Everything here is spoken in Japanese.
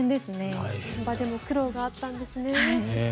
現場でも苦労があったんですね。